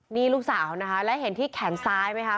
นี่ลูกสาวนะคะแล้วเห็นที่แขนซ้ายไหมคะ